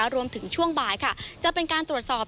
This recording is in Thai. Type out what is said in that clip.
รวมถึงช่วงบ่ายค่ะจะเป็นการตรวจสอบ